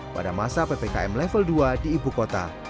pada masa ppkm level dua di ibu kota